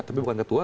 tapi bukan ketua